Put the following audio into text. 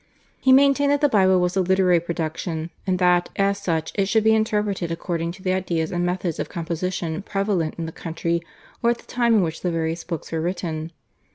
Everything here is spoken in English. He maintained that the Bible was a literary production, and that, as such it should be interpreted according to the ideas and methods of composition prevalent in the country or at the time in which the various books were written.